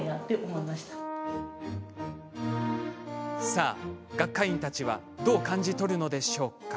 さあ、学会員たちはどう感じ取るのでしょうか？